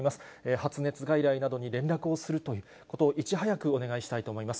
発熱外来などに連絡をするということを、いち早くお願いしたいと思います。